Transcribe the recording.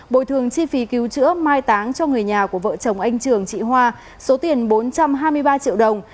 bồi thường chi phí cứu chữa mai táng cho người nhà của vợ chồng anh trường chị hoa số tiền bốn trăm hai mươi ba triệu đồng